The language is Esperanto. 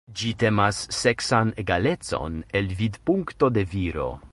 Ĝi temas seksan egalecon el vidpunkto de viro.